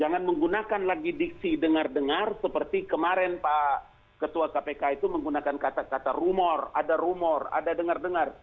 jangan menggunakan lagi diksi dengar dengar seperti kemarin pak ketua kpk itu menggunakan kata kata rumor ada rumor ada dengar dengar